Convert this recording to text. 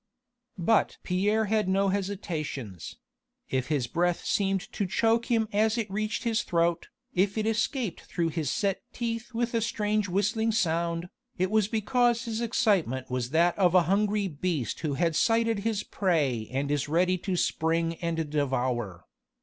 But Pierre had no such hesitations; if his breath seemed to choke him as it reached his throat, if it escaped through his set teeth with a strange whistling sound, it was because his excitement was that of a hungry beast who had sighted his prey and is ready to spring and devour.